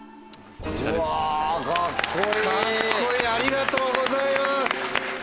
ありがとうございます。